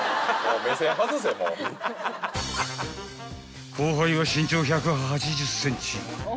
［後輩は身長１８０ｃｍ］